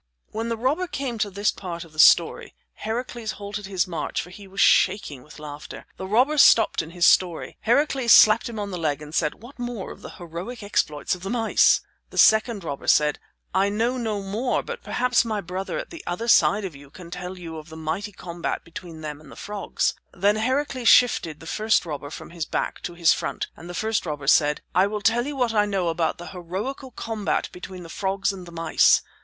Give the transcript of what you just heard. When the robber came to this part of the story Heracles halted his march, for he was shaking with laughter. The robber stopped in his story. Heracles slapped him on the leg and said: "What more of the heroic exploits of the mice?" The second robber said, "I know no more, but perhaps my brother at the other side of you can tell you of the mighty combat between them and the frogs." Then Heracles shifted the first robber from his back to his front, and the first robber said: "I will tell you what I know about the heroical combat between the frogs and the mice."